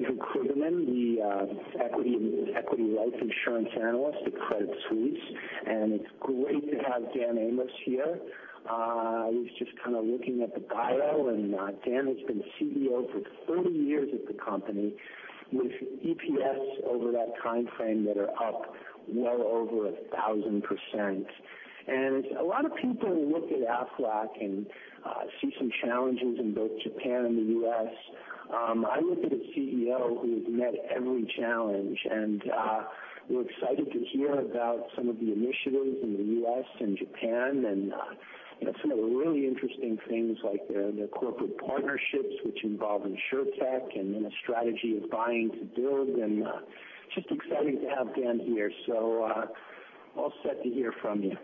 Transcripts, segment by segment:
Hi, I'm Andrew Kligerman, the equity life insurance analyst at Credit Suisse, and it's great to have Dan Amos here. I was looking at the bio, and Dan has been CEO for 30 years at the company with EPS over that timeframe that are up well over 1,000%. A lot of people look at Aflac and see some challenges in both Japan and the U.S. I look at a CEO who has met every challenge, and we're excited to hear about some of the initiatives in the U.S. and Japan and some of the really interesting things like their corporate partnerships, which involve insurtech, and then a strategy of buying to build, and just exciting to have Dan here. All set to hear from you.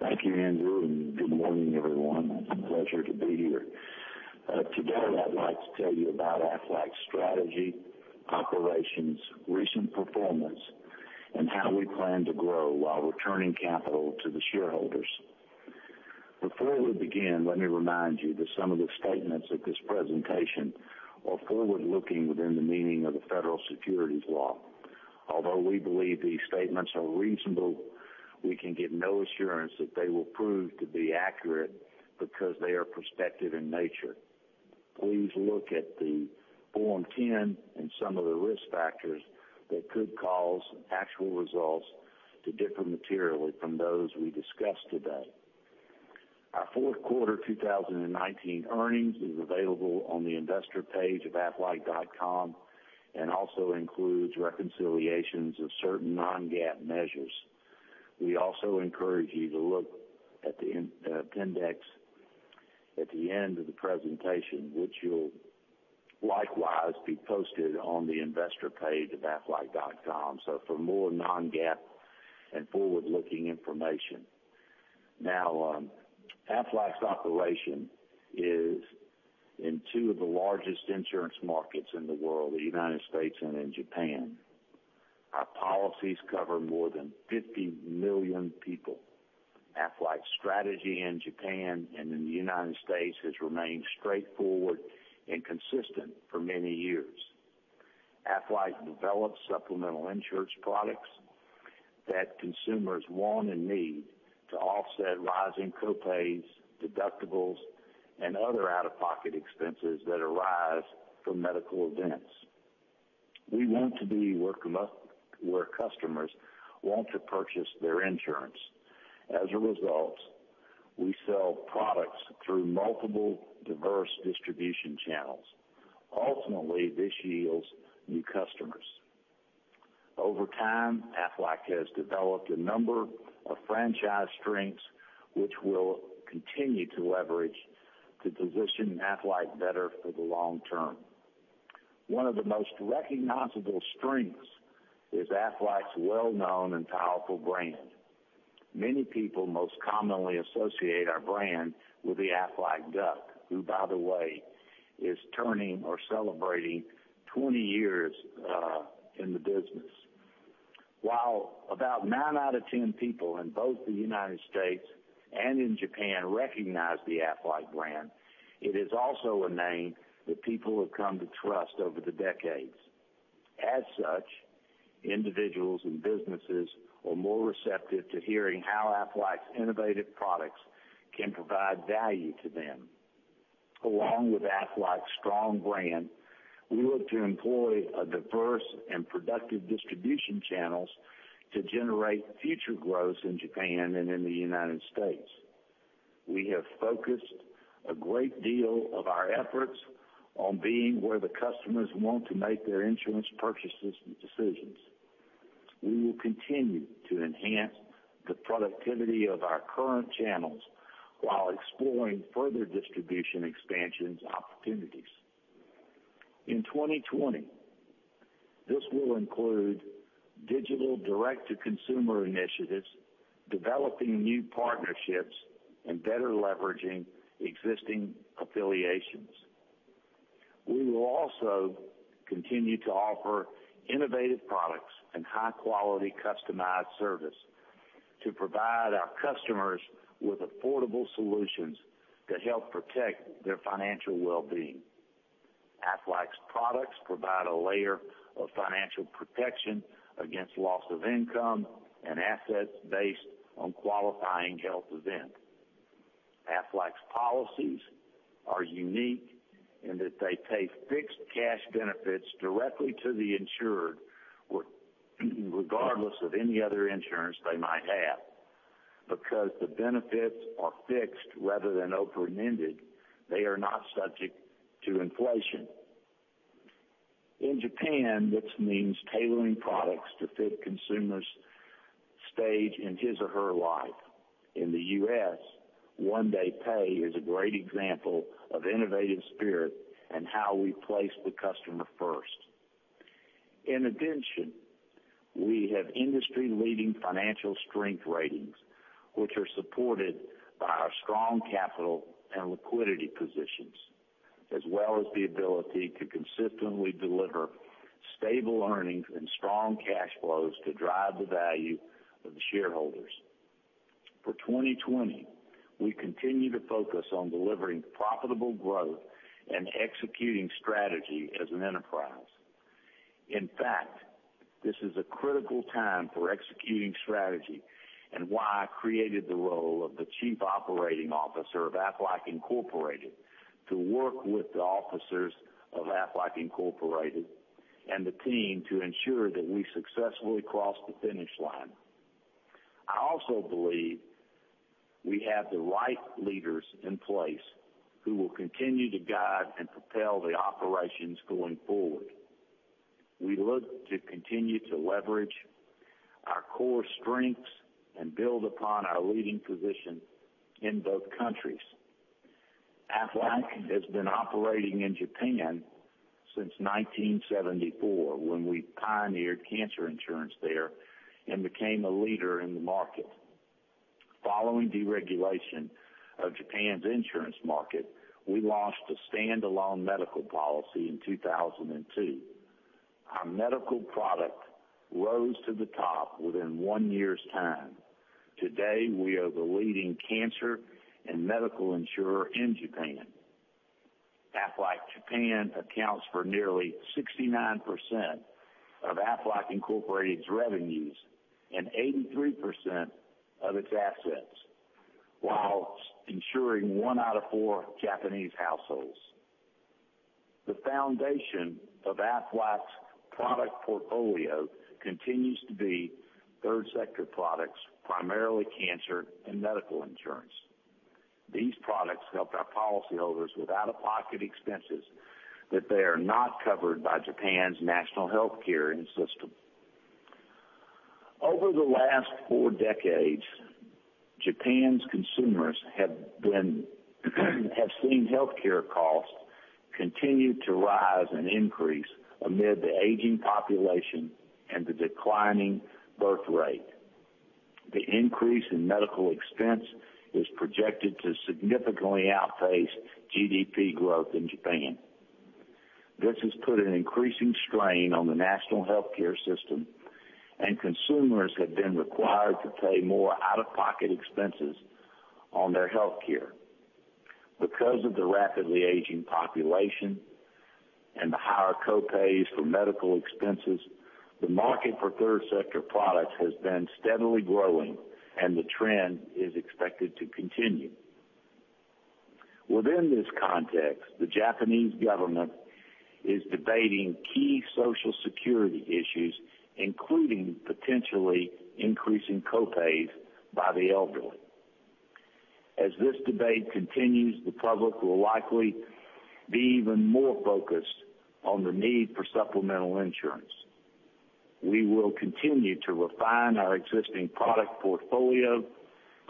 Thank you, Andrew, and good morning, everyone. It's a pleasure to be here. Today I'd like to tell you about Aflac's strategy, operations, recent performance, and how we plan to grow while returning capital to the shareholders. Before we begin, let me remind you that some of the statements of this presentation are forward-looking within the meaning of the federal securities law. Although we believe these statements are reasonable, we can give no assurance that they will prove to be accurate because they are prospective in nature. Please look at the Form 10 and some of the risk factors that could cause actual results to differ materially from those we discuss today. Our fourth quarter 2019 earnings is available on the investor page of aflac.com and also includes reconciliations of certain non-GAAP measures. We also encourage you to look at the appendix at the end of the presentation, which will likewise be posted on the investor page of aflac.com for more non-GAAP and forward-looking information. Aflac's operation is in two of the largest insurance markets in the world, the United States and in Japan. Our policies cover more than 50 million people. Aflac's strategy in Japan and in the United States has remained straightforward and consistent for many years. Aflac develops supplemental insurance products that consumers want and need to offset rising co-pays, deductibles, and other out-of-pocket expenses that arise from medical events. We want to be where customers want to purchase their insurance. As a result, we sell products through multiple diverse distribution channels. Ultimately, this yields new customers. Over time, Aflac has developed a number of franchise strengths, which we'll continue to leverage to position Aflac better for the long term. One of the most recognizable strengths is Aflac's well-known and powerful brand. Many people most commonly associate our brand with the Aflac Duck, who by the way, is turning or celebrating 20 years in the business. While about nine out of 10 people in both the United States and in Japan recognize the Aflac brand, it is also a name that people have come to trust over the decades. As such, individuals and businesses are more receptive to hearing how Aflac's innovative products can provide value to them. Along with Aflac's strong brand, we look to employ diverse and productive distribution channels to generate future growth in Japan and in the United States. We have focused a great deal of our efforts on being where the customers want to make their insurance purchases and decisions. We will continue to enhance the productivity of our current channels while exploring further distribution expansion opportunities. In 2020, this will include digital direct-to-consumer initiatives, developing new partnerships, and better leveraging existing affiliations. We will also continue to offer innovative products and high-quality customized service to provide our customers with affordable solutions that help protect their financial well-being. Aflac's products provide a layer of financial protection against loss of income and assets based on qualifying health event. Aflac's policies are unique in that they pay fixed cash benefits directly to the insured regardless of any other insurance they might have. Because the benefits are fixed rather than open-ended, they are not subject to inflation. In Japan, this means tailoring products to fit a consumer's stage in his or her life. In the U.S., One Day Pay is a great example of innovative spirit and how we place the customer first. In addition, we have industry-leading financial strength ratings, which are supported by our strong capital and liquidity positions. As well as the ability to consistently deliver stable earnings and strong cash flows to drive the value of the shareholders. For 2020, we continue to focus on delivering profitable growth and executing strategy as an enterprise. In fact, this is a critical time for executing strategy, and why I created the role of the Chief Operating Officer of Aflac Incorporated, to work with the officers of Aflac Incorporated, and the team, to ensure that we successfully cross the finish line. I also believe we have the right leaders in place who will continue to guide and propel the operations going forward. We look to continue to leverage our core strengths and build upon our leading position in both countries. Aflac has been operating in Japan since 1974 when we pioneered cancer insurance there and became a leader in the market. Following deregulation of Japan's insurance market, we launched a standalone medical policy in 2002. Our medical product rose to the top within one year's time. Today, we are the leading cancer and medical insurer in Japan. Aflac Japan accounts for nearly 69% of Aflac Incorporated's revenues and 83% of its assets, while ensuring one out of four Japanese households. The foundation of Aflac's product portfolio continues to be third sector products, primarily cancer and medical insurance. These products help our policyholders with out-of-pocket expenses that they are not covered by Japan's national healthcare system. Over the last four decades, Japan's consumers have seen healthcare costs continue to rise and increase amid the aging population and the declining birthrate. The increase in medical expense is projected to significantly outpace GDP growth in Japan. This has put an increasing strain on the national healthcare system, and consumers have been required to pay more out-of-pocket expenses on their healthcare. Because of the rapidly aging population and the higher co-pays for medical expenses, the market for third sector products has been steadily growing, and the trend is expected to continue. Within this context, the Japanese government is debating key Social Security issues, including potentially increasing co-pays by the elderly. As this debate continues, the public will likely be even more focused on the need for supplemental insurance. We will continue to refine our existing product portfolio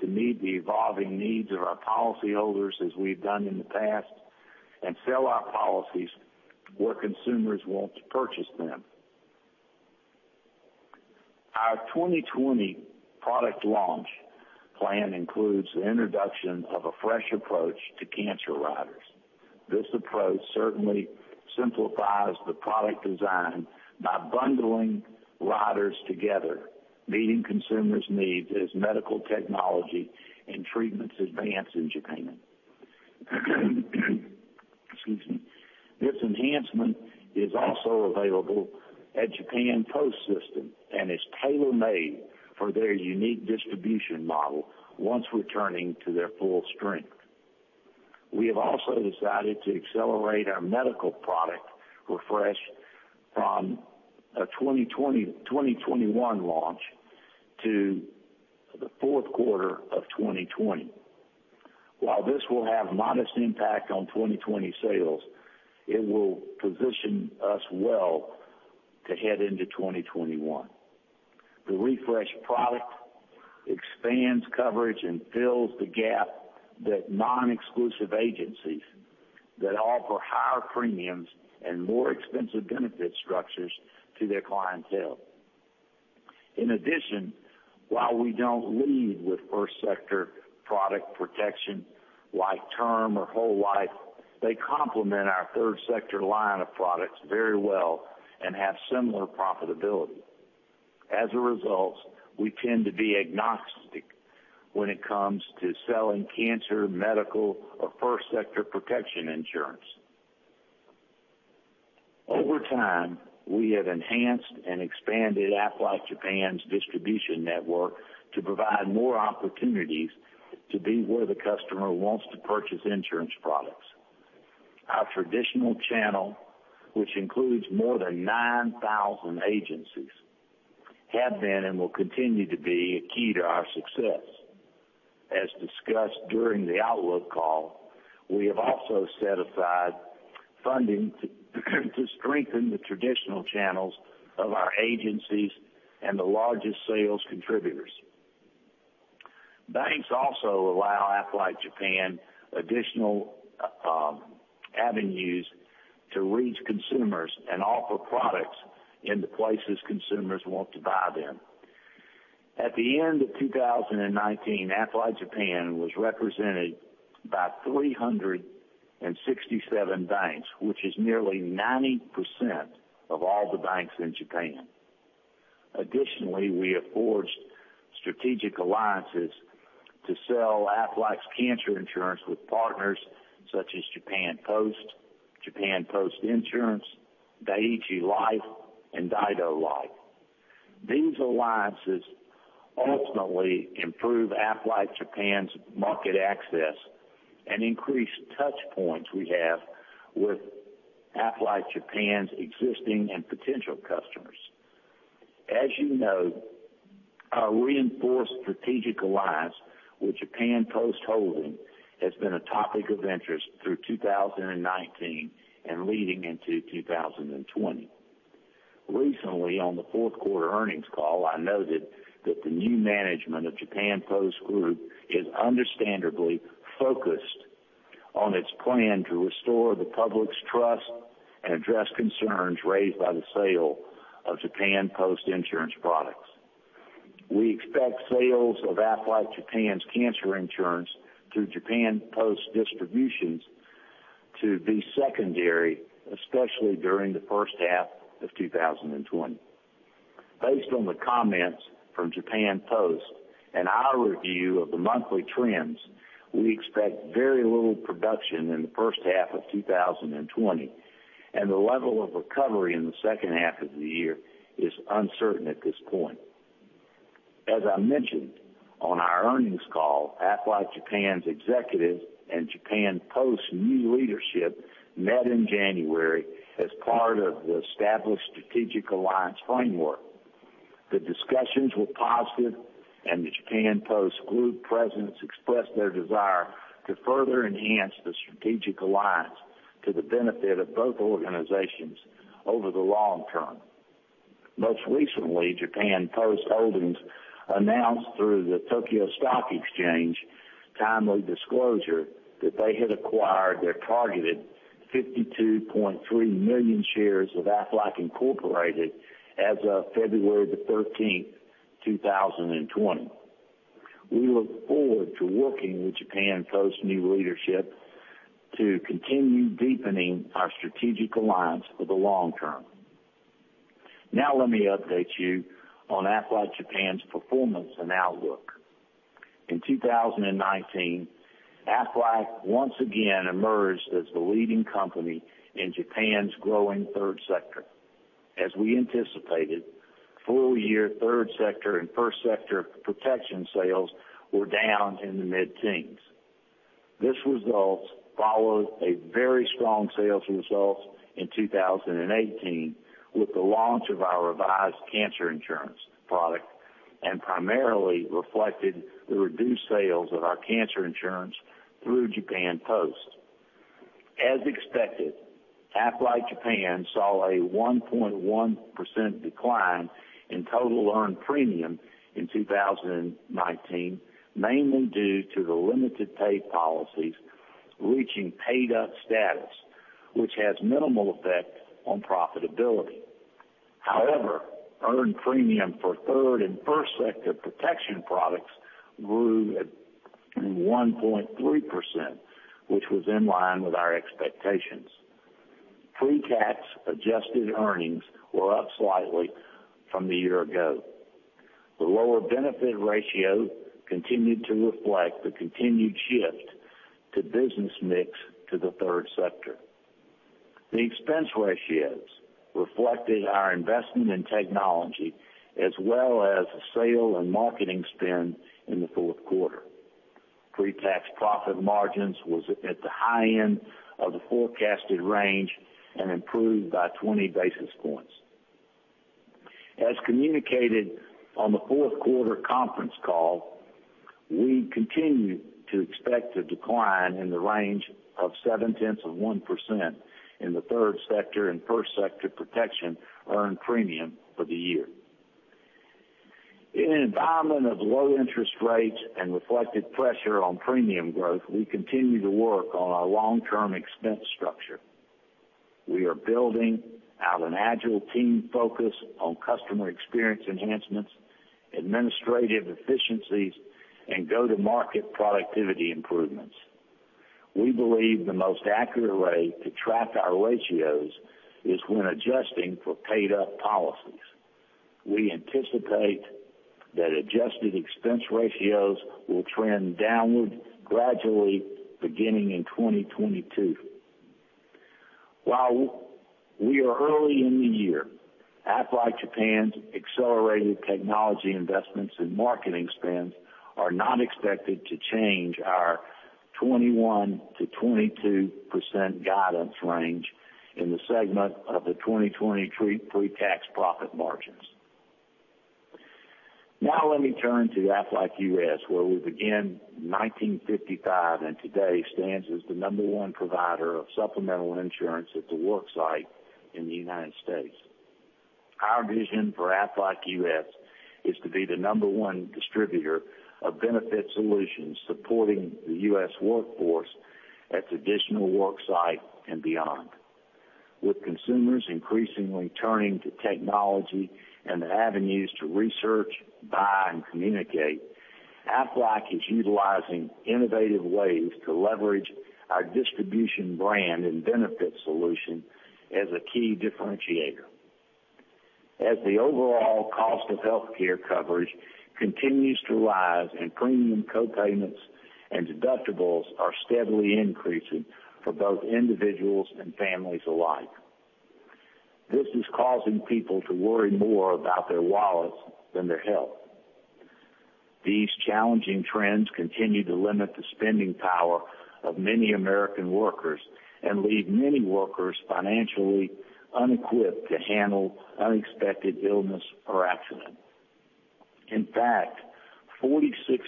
to meet the evolving needs of our policyholders as we've done in the past, and sell our policies where consumers want to purchase them. Our 2020 product launch plan includes the introduction of a fresh approach to cancer riders. This approach certainly simplifies the product design by bundling riders together, meeting consumers' needs as medical technology and treatments advance in Japan. Excuse me. This enhancement is also available at Japan Post system, and is tailor-made for their unique distribution model once returning to their full strength. We have also decided to accelerate our medical product refresh from a 2021 launch to the fourth quarter of 2020. While this will have modest impact on 2020 sales, it will position us well to head into 2021. The refreshed product expands coverage and fills the gap that non-exclusive agencies that offer higher premiums and more expensive benefit structures to their clientele. In addition, while we don't lead with first sector product protection, like term or whole life, they complement our third sector line of products very well and have similar profitability. As a result, we tend to be agnostic when it comes to selling cancer, medical, or first sector protection insurance. Over time, we have enhanced and expanded Aflac Japan's distribution network to provide more opportunities to be where the customer wants to purchase insurance products. Our traditional channel, which includes more than 9,000 agencies, have been and will continue to be a key to our success. As discussed during the outlook call, we have also set aside funding to strengthen the traditional channels of our agencies and the largest sales contributors. Banks also allow Aflac Japan additional avenues to reach consumers and offer products in the places consumers want to buy them. At the end of 2019, Aflac Japan was represented by 367 banks, which is nearly 90% of all the banks in Japan. Additionally, we have forged strategic alliances to sell Aflac's cancer insurance with partners such as Japan Post, Japan Post Insurance, Dai-ichi Life, and Daido Life. These alliances ultimately improve Aflac Japan's market access and increase touch points we have with Aflac Japan's existing and potential customers. As you know, our reinforced strategic alliance with Japan Post Holdings has been a topic of interest through 2019 and leading into 2020. Recently, on the fourth quarter earnings call, I noted that the new management of Japan Post Group is understandably focused on its plan to restore the public's trust and address concerns raised by the sale of Japan Post Insurance products. We expect sales of Aflac Japan's cancer insurance through Japan Post distributions to be secondary, especially during the first half of 2020. Based on the comments from Japan Post and our review of the monthly trends, we expect very little production in the first half of 2020, and the level of recovery in the second half of the year is uncertain at this point. As I mentioned on our earnings call, Aflac Japan's executives and Japan Post's new leadership met in January as part of the established strategic alliance framework. The discussions were positive, the Japan Post Group presidents expressed their desire to further enhance the strategic alliance to the benefit of both organizations over the long term. Most recently, Japan Post Holdings announced through the Tokyo Stock Exchange timely disclosure that they had acquired their targeted 52.3 million shares of Aflac Incorporated as of February 13th, 2020. We look forward to working with Japan Post's new leadership to continue deepening our strategic alliance for the long term. Now let me update you on Aflac Japan's performance and outlook. In 2019, Aflac once again emerged as the leading company in Japan's growing third sector. As we anticipated, full-year third sector and first sector protection sales were down in the mid-teens. This result followed a very strong sales result in 2018 with the launch of our revised cancer insurance product and primarily reflected the reduced sales of our cancer insurance through Japan Post. As expected, Aflac Japan saw a 1.1% decline in total earned premium in 2019, mainly due to the limited pay policies reaching paid-up status, which has minimal effect on profitability. However, earned premium for third and first sector protection products grew at 1.3%, which was in line with our expectations. Pre-tax adjusted earnings were up slightly from the year ago. The lower benefit ratio continued to reflect the continued shift to business mix to the third sector. The expense ratios reflected our investment in technology as well as the sale and marketing spend in the fourth quarter. Pre-tax profit margins was at the high end of the forecasted range and improved by 20 basis points. As communicated on the fourth quarter conference call, we continue to expect a decline in the range of 0.7% in the third sector and first sector protection earned premium for the year. In an environment of low interest rates and reflected pressure on premium growth, we continue to work on our long-term expense structure. We are building out an agile team focused on customer experience enhancements, administrative efficiencies, and go-to-market productivity improvements. We believe the most accurate way to track our ratios is when adjusting for paid-up policies. We anticipate that adjusted expense ratios will trend downward gradually beginning in 2022. While we are early in the year, Aflac Japan's accelerated technology investments and marketing spends are not expected to change our 21%-22% guidance range in the segment of the 2020 pre-tax profit margins. Now let me turn to Aflac U.S., where we began in 1955 and today stands as the number 1 provider of supplemental insurance at the work site in the U.S. Our vision for Aflac U.S. is to be the number 1 distributor of benefit solutions supporting the U.S. workforce at traditional work site and beyond. With consumers increasingly turning to technology and the avenues to research, buy, and communicate, Aflac is utilizing innovative ways to leverage our distribution brand and benefit solution as a key differentiator. As the overall cost of healthcare coverage continues to rise and premium co-payments and deductibles are steadily increasing for both individuals and families alike. This is causing people to worry more about their wallets than their health. These challenging trends continue to limit the spending power of many American workers and leave many workers financially unequipped to handle unexpected illness or accident. In fact, 46%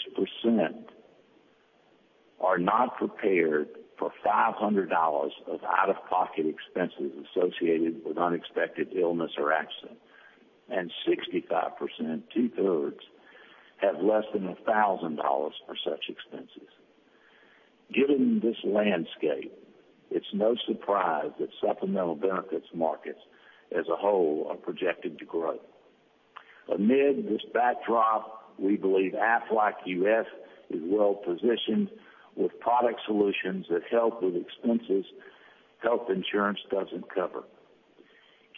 are not prepared for $500 of out-of-pocket expenses associated with unexpected illness or accident, and 65%, two-thirds, have less than $1,000 for such expenses. Given this landscape, it's no surprise that supplemental benefits markets as a whole are projected to grow. Amid this backdrop, we believe Aflac US is well-positioned with product solutions that help with expenses health insurance doesn't cover.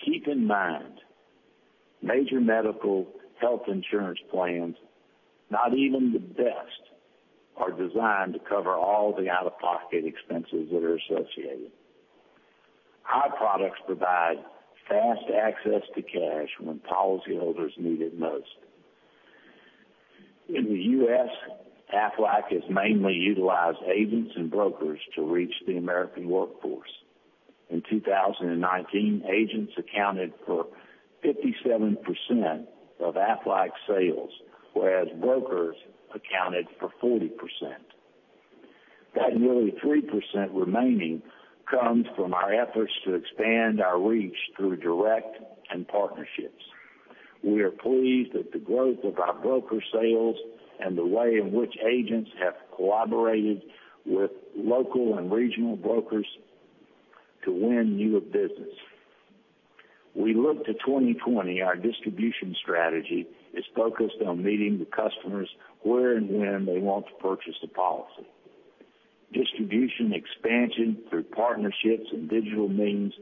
Keep in mind, major medical health insurance plans, not even the best, are designed to cover all the out-of-pocket expenses that are associated. Our products provide fast access to cash when policyholders need it most. In the U.S., Aflac has mainly utilized agents and brokers to reach the American workforce. In 2019, agents accounted for 57% of Aflac sales, whereas brokers accounted for 40%. That nearly 3% remaining comes from our efforts to expand our reach through direct and partnerships. We are pleased at the growth of our broker sales and the way in which agents have collaborated with local and regional brokers to win new business. We look to 2020, our distribution strategy is focused on meeting the customers where and when they want to purchase a policy. Distribution expansion through partnerships and digital means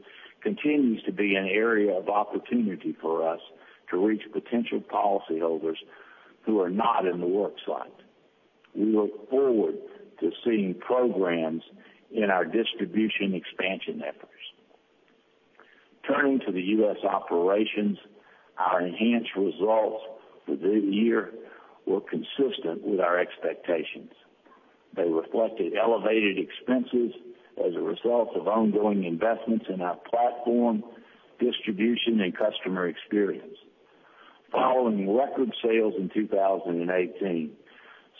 continues to be an area of opportunity for us to reach potential policyholders who are not in the worksite. We look forward to seeing programs in our distribution expansion efforts. Turning to the U.S. operations, our enhanced results for the year were consistent with our expectations. They reflected elevated expenses as a result of ongoing investments in our platform, distribution, and customer experience. Following record sales in 2018,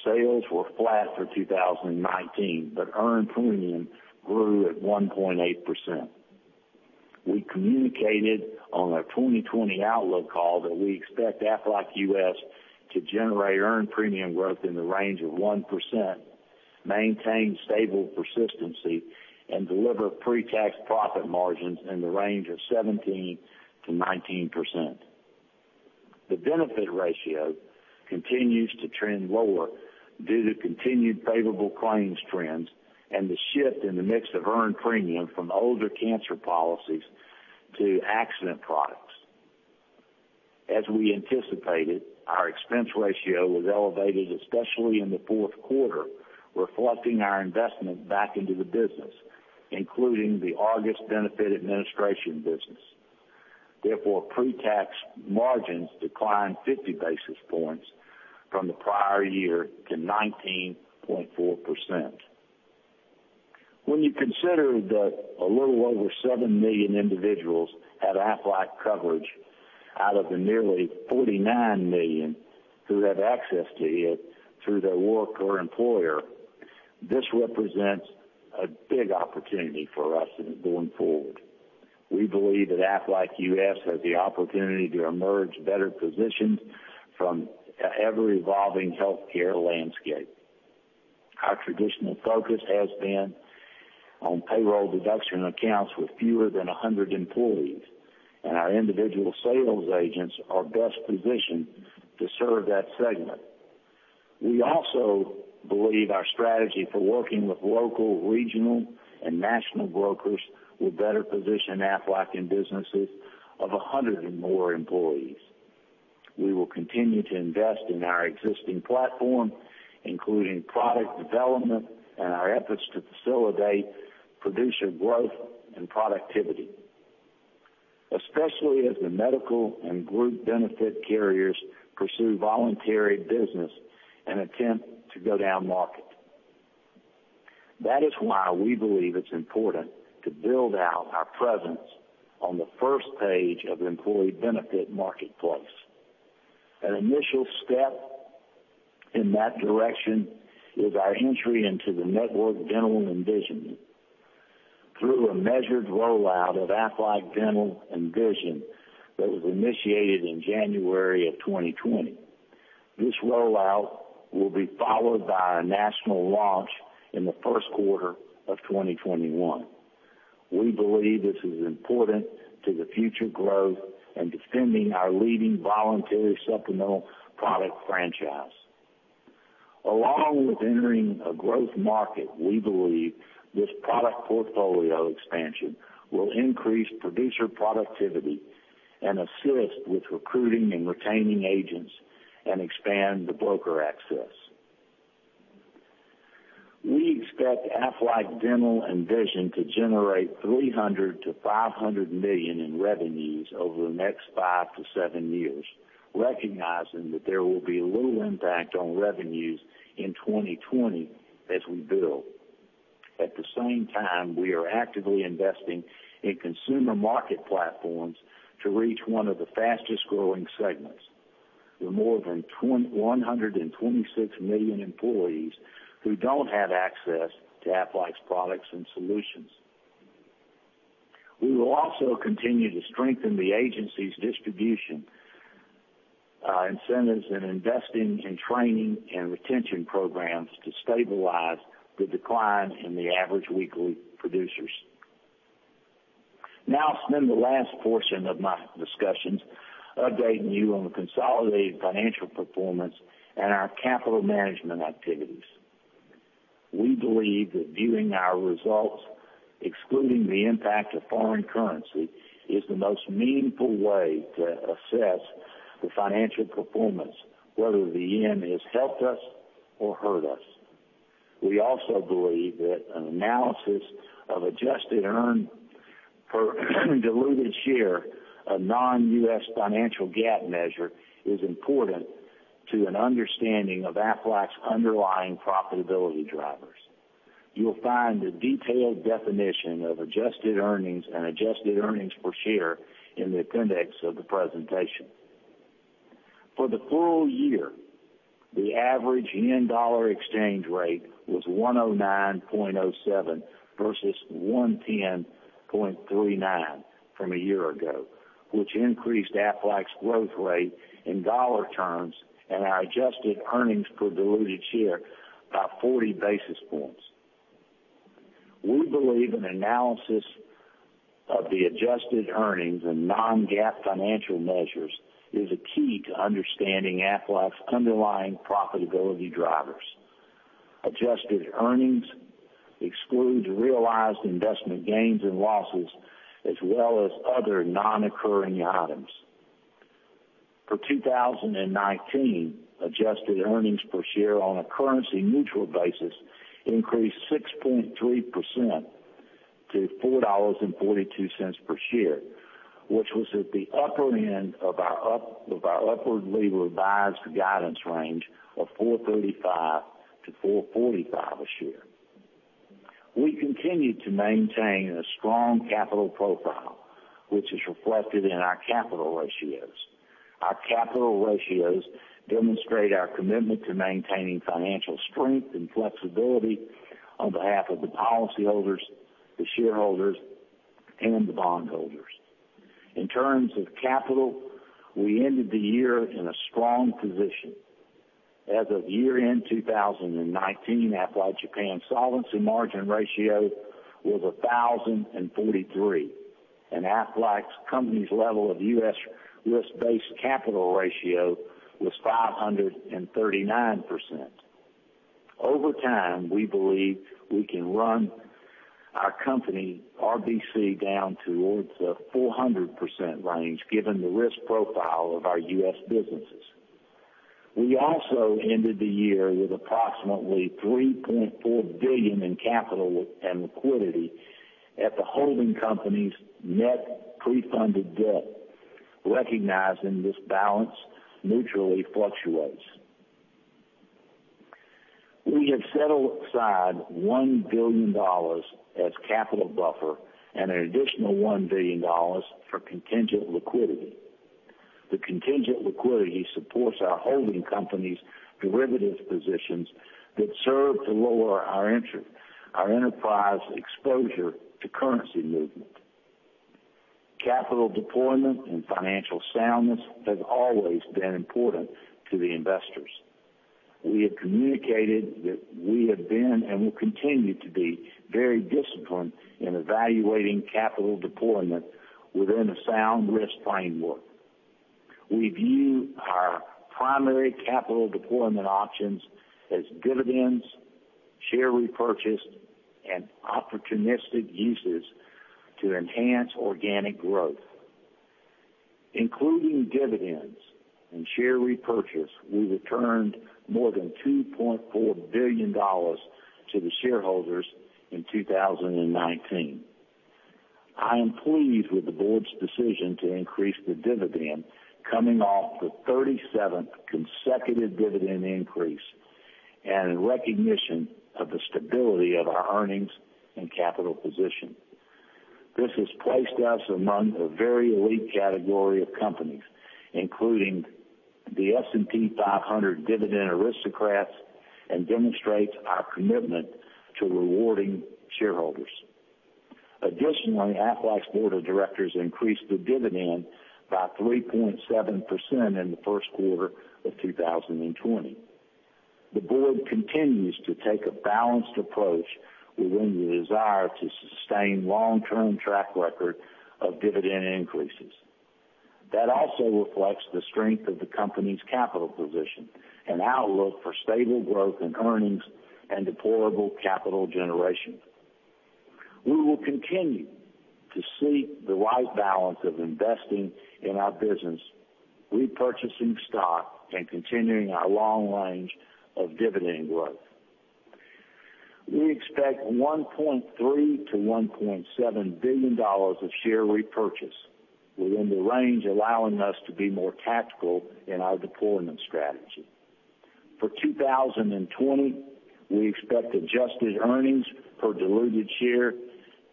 sales were flat for 2019, but earned premium grew at 1.8%. We communicated on our 2020 outlook call that we expect Aflac US to generate earned premium growth in the range of 1%, maintain stable persistency, and deliver pre-tax profit margins in the range of 17%-19%. The benefit ratio continues to trend lower due to continued favorable claims trends and the shift in the mix of earned premium from older cancer policies to accident products. As we anticipated, our expense ratio was elevated, especially in the fourth quarter, reflecting our investment back into the business, including the Argus benefit administration business. Pre-tax margins declined 50 basis points from the prior year to 19.4%. When you consider that a little over 7 million individuals have Aflac coverage out of the nearly 49 million who have access to it through their work or employer, this represents a big opportunity for us going forward. We believe that Aflac US has the opportunity to emerge better positioned from an ever-evolving healthcare landscape. Our traditional focus has been on payroll deduction accounts with fewer than 100 employees, and our individual sales agents are best positioned to serve that segment. We also believe our strategy for working with local, regional, and national brokers will better position Aflac in businesses of 100 and more employees. We will continue to invest in our existing platform, including product development and our efforts to facilitate producer growth and productivity, especially as the medical and group benefit carriers pursue voluntary business and attempt to go down market. It is why we believe it's important to build out our presence on the first page of employee benefit marketplace. An initial step in that direction is our entry into the network dental and vision. Through a measured rollout of Aflac Dental and Vision that was initiated in January of 2020. This rollout will be followed by a national launch in the first quarter of 2021. We believe this is important to the future growth and defending our leading voluntary supplemental product franchise. Along with entering a growth market, we believe this product portfolio expansion will increase producer productivity and assist with recruiting and retaining agents and expand the broker access. We expect Aflac Dental and Vision to generate $300 million-$500 million in revenues over the next five to seven years, recognizing that there will be little impact on revenues in 2020 as we build. At the same time, we are actively investing in consumer market platforms to reach one of the fastest-growing segments, with more than 126 million employees who don't have access to Aflac's products and solutions. We will also continue to strengthen the agency's distribution, incentives, and investing in training and retention programs to stabilize the decline in the average weekly producers. I'll spend the last portion of my discussions updating you on the consolidated financial performance and our capital management activities. We believe that viewing our results, excluding the impact of foreign currency, is the most meaningful way to assess the financial performance, whether the yen has helped us or hurt us. We also believe that an analysis of adjusted earnings per diluted share, a non-GAAP financial measure, is important to an understanding of Aflac's underlying profitability drivers. You will find the detailed definition of adjusted earnings and adjusted earnings per share in the appendix of the presentation. For the full year, the average yen-dollar exchange rate was 109.07 versus 110.39 from a year ago, which increased Aflac's growth rate in dollar terms and our adjusted earnings per diluted share by 40 basis points. We believe an analysis of the adjusted earnings and non-GAAP financial measures is a key to understanding Aflac's underlying profitability drivers. Adjusted earnings excludes realized investment gains and losses, as well as other non-reccurring items. For 2019, adjusted earnings per share on a currency-neutral basis increased 6.3% to $4.42 per share, which was at the upper end of our upwardly revised guidance range of $4.35-$4.45 a share. We continue to maintain a strong capital profile, which is reflected in our capital ratios. Our capital ratios demonstrate our commitment to maintaining financial strength and flexibility on behalf of the policyholders, the shareholders, and the bondholders. In terms of capital, we ended the year in a strong position. As of year-end 2019, Aflac Japan's solvency margin ratio was 1,043, and Aflac's company's level of U.S. risk-based capital ratio was 539%. Over time, we believe we can run our company RBC down towards the 400% range, given the risk profile of our U.S. businesses. We also ended the year with approximately $3.4 billion in capital and liquidity at the holding company's net pre-funded debt, recognizing this balance mutually fluctuates. We have set aside $1 billion as capital buffer and an additional $1 billion for contingent liquidity. The contingent liquidity supports our holding company's derivatives positions that serve to lower our enterprise exposure to currency movement. Capital deployment and financial soundness have always been important to the investors. We have communicated that we have been and will continue to be very disciplined in evaluating capital deployment within a sound risk framework. We view our primary capital deployment options as dividends, share repurchase, and opportunistic uses to enhance organic growth. Including dividends and share repurchase, we returned more than $2.4 billion to the shareholders in 2019. I am pleased with the board's decision to increase the dividend, coming off the 37th consecutive dividend increase, and in recognition of the stability of our earnings and capital position. This has placed us among a very elite category of companies, including the S&P 500 Dividend Aristocrats, and demonstrates our commitment to rewarding shareholders. Additionally, Aflac's board of directors increased the dividend by 3.7% in the first quarter of 2020. The board continues to take a balanced approach within the desire to sustain long-term track record of dividend increases. That also reflects the strength of the company's capital position and outlook for stable growth in earnings and deployable capital generation. We will continue to seek the right balance of investing in our business, repurchasing stock, and continuing our long range of dividend growth. We expect $1.3 billion-$1.7 billion of share repurchase within the range, allowing us to be more tactical in our deployment strategy. For 2020, we expect adjusted earnings per diluted share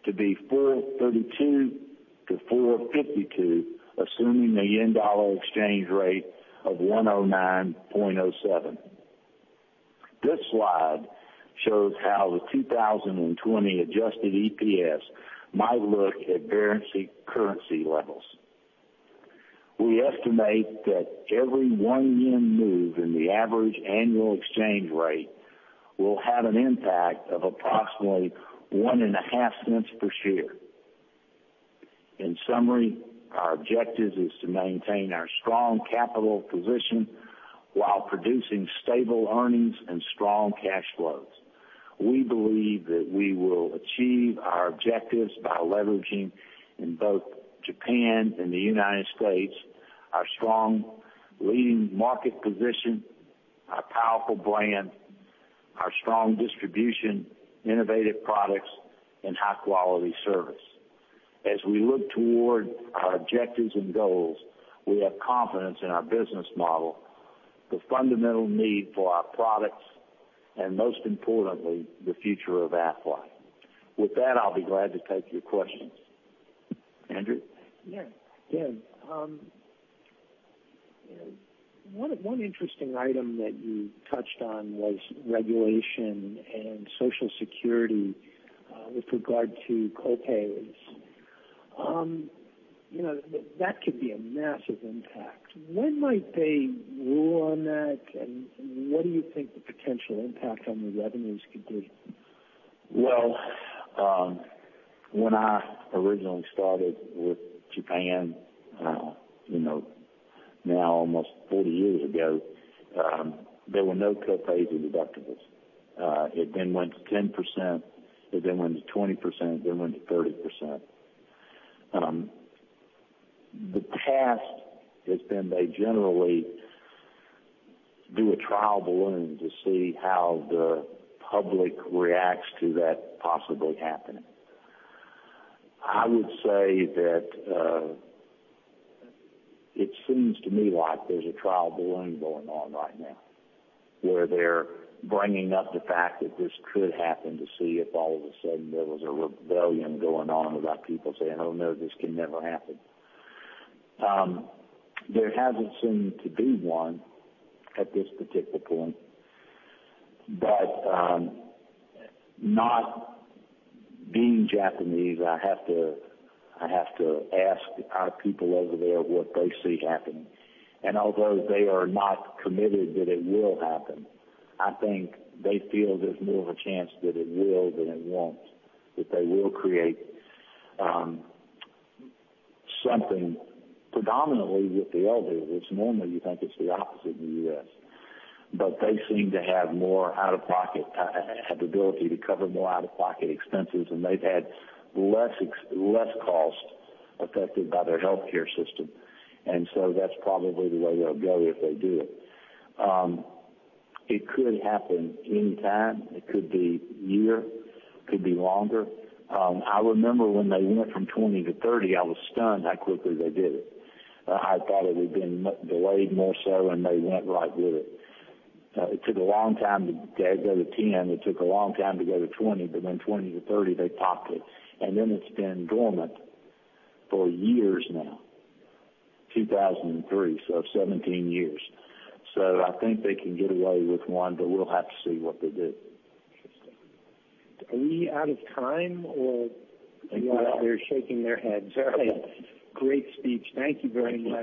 to be $4.32-$4.52, assuming the yen-dollar exchange rate of 109.07. This slide shows how the 2020 adjusted EPS might look at various currency levels. We estimate that every one yen move in the average annual exchange rate will have an impact of approximately $0.015 per share. In summary, our objective is to maintain our strong capital position while producing stable earnings and strong cash flows. We believe that we will achieve our objectives by leveraging, in both Japan and the United States, our strong leading market position, our powerful brand, our strong distribution, innovative products, and high-quality service. As we look toward our objectives and goals, we have confidence in our business model, the fundamental need for our products, and most importantly, the future of Aflac. With that, I will be glad to take your questions. Andrew? Yeah. One interesting item that you touched on was regulation and Social Security with regard to co-payments. That could be a massive impact. When might they rule on that, and what do you think the potential impact on the revenues could be? When I originally started with Japan, now almost 40 years ago, there were no co-pays or deductibles. It went to 10%, it went to 20%, it went to 30%. The past has been, they generally do a trial balloon to see how the public reacts to that possibly happening. I would say that it seems to me like there's a trial balloon going on right now, where they're bringing up the fact that this could happen to see if all of a sudden there was a rebellion going on about people saying, "Oh, no, this can never happen." There hasn't seemed to be one at this particular point. Not being Japanese, I have to ask our people over there what they see happening. Although they are not committed that it will happen, I think they feel there's more of a chance that it will than it won't, that they will create something predominantly with the elderly, which normally you think it's the opposite in the U.S. They seem to have more out-of-pocket, have the ability to cover more out-of-pocket expenses, and they've had less cost affected by their healthcare system. That's probably the way they'll go if they do it. It could happen any time. It could be a year. It could be longer. I remember when they went from 20 to 30, I was stunned how quickly they did it. I thought it would've been delayed more so, they went right with it. It took a long time to go to 10, it took a long time to go to 20 to 30, they popped it. It's been dormant for years now, 2003, so 17 years. I think they can get away with one, we'll have to see what they do. Interesting. Are we out of time? I think we are. They're shaking their heads. All right. Great speech. Thank you very much.